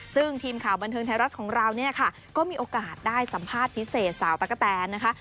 ซึ่งทีมข่าวบันเทิงไทยรัฐของเราเนี่ยค่ะก็มีโอกาสได้สัมภาษณ์พิเศษสาวตะกะแตนนะคะ